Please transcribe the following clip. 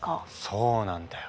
そうなんだよ。